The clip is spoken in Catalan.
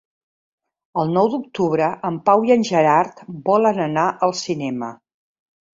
El nou d'octubre en Pau i en Gerard volen anar al cinema.